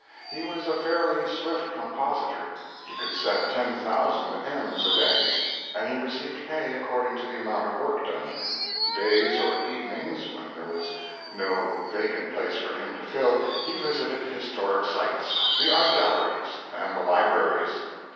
He was a fairly swift compositor. He could set ten thousand ems a day, and he received pay according to the amount of work done. Days or evenings when there was no vacant place for him to fill he visited historic sites, the art galleries, and the libraries.